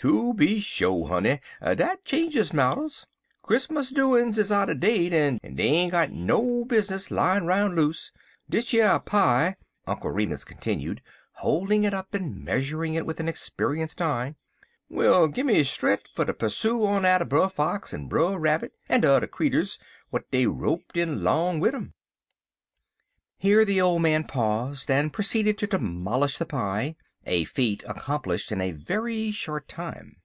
"Tooby sho, honey; dat changes marters. Chris'mus doin's is outer date, en dey ain't got no bizness layin' roun' loose. Dish yer pie," Uncle Remus continued, holding it up and measuring it with an experienced eye, "will gimme strenk fer ter persoo on atter Brer Fox en Brer Rabbit en de udder creeturs w'at dey roped in 'long wid um." Here the old man paused, and proceeded to demolish the pie a feat accomplished in a very short time.